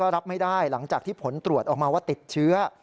รับไม่ได้หลังจากที่ผลตรวจออกมาว่าติดเชื้อ